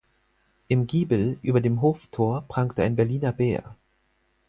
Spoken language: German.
Im Giebel über dem Hoftor prangte ein Berliner Bär.